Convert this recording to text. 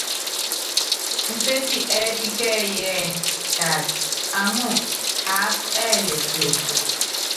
Nsétí ɛ́ɛ́pí kɛ́ɛ́yí ɛ́ɛ́: Taat aŋú aápa ɛɛlɛ tiɛkíɛ?